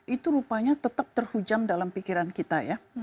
itu rupanya tetap terhujam dalam pikiran kita ya